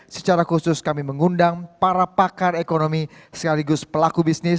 secara khusus kami mengundang para pakar ekonomi sekaligus pelaku bisnis